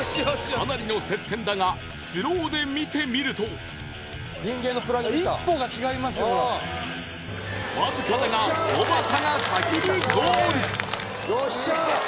かなりの接戦だがスローで見てみるとわずかだがおばたが先にゴールよっしゃ！